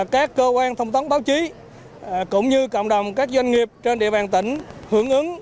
các cơ quan thông tấn báo chí cũng như cộng đồng các doanh nghiệp trên địa bàn tỉnh hưởng ứng